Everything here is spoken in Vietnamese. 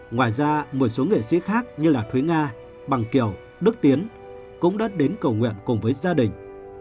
ngoài ra một số nghệ sĩ khác như thuế nga bằng kiều đức tiến cũng đã đến cầu nguyện cùng với gia đình